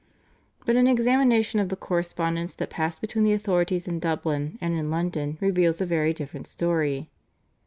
But an examination of the correspondence that passed between the authorities in Dublin and in London reveals a very different story.